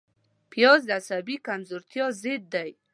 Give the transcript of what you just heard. پیاز د عصبي کمزورتیا ضد دی